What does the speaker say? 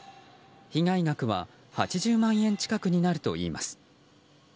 被害額は８０万円近くになるといいます。